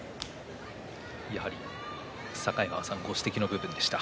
やはり境川さんご指摘の部分でした。